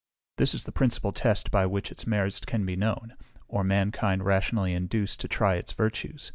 This is the principal test by which its merits can be known, or mankind rationally induced to try its virtues.